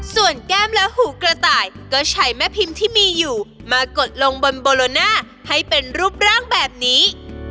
ส่วนแก้มและหูกระต่ายก็ใช้แม่พิมพ์ที่มีอยู่มากดลงบนโบโลน่าให้เป็นรูปร่างแบบนี้